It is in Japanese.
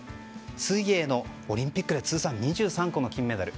水泳のオリンピックで通算２３個の金メダル。